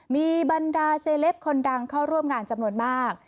มีบรรดาเซเลปคนดังเข้าร่วมงานจำนวนมาก